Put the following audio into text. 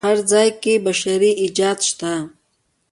په هر ځای کې چې بشر وي ایجاد شته.